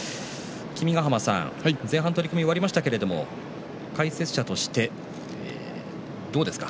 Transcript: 君ヶ濱さん、前半の取組終わりましたけど解説者としてどうですか？